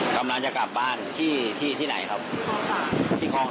กำลังจะกลับบ้านที่ที่ไหนครับที่ห้อง